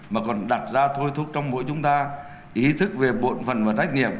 mà còn đặt ra thôi thúc trong mỗi chúng ta ý thức về bộn phần và trách nhiệm